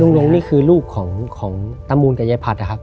ลงนี่คือลูกของตามูลกับยายพัดนะครับ